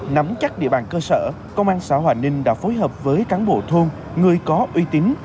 nắm chắc địa bàn cơ sở công an xã hòa ninh đã phối hợp với cán bộ thôn người có uy tín